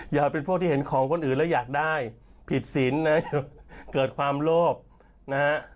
อย่าเป็นพวกที่เห็นของคนอื่นแล้วอยากได้ผิดศีลนะเกิดความโลภนะฮะ